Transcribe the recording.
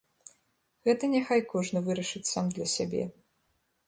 Гэта няхай кожны вырашыць сам для сябе.